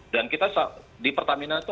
dan kita di pertamina itu